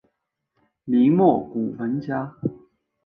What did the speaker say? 明末古文家。